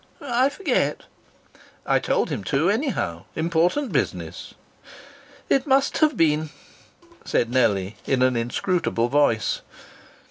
"I forget " "I told him to, anyhow.... Important business." "It must have been," said Nellie, in an inscrutable voice.